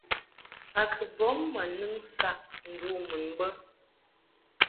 A kɨ bɔŋ ma nɨŋ saʼ ndu mun bə.